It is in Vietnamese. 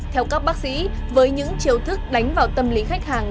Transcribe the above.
theo các bác sĩ với những chiêu thức đánh vào tâm lý khách hàng